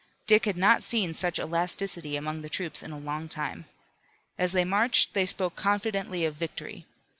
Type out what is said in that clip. Dick had not seen such elasticity among the troops in a long time. As they marched they spoke confidently of victory.